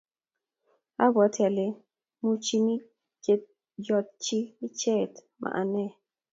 abwati ale muchini keyotyi icheket ma ane